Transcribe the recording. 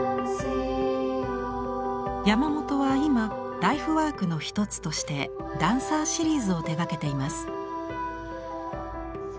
山本は今ライフワークの一つとしてダンサーシリーズを手がけています。